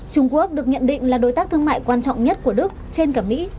trung quốc được nhận định là đối tác thương mại quan trọng nhất của đức trên cả mỹ